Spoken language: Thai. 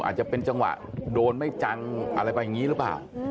อาจจะเป็นจังหวะโดนไม่จังอะไรไปอย่างนี้หรือเปล่า